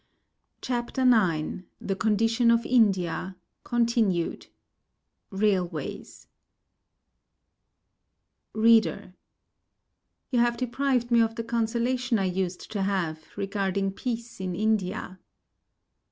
CHAPTER IX THE CONDITION OF INDIA (Continued) RAILWAYS READER: You have deprived me of the consolation I used to have regarding peace in India.